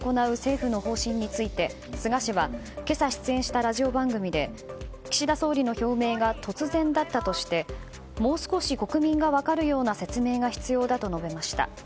府の方針について、菅氏は今朝出演したラジオ番組で岸田総理の表明が突然だったとしてもう少し国民が分かるような説明が必要だと述べました。